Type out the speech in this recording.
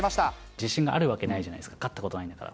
自信があるわけないじゃないですか、勝ったことないんだから。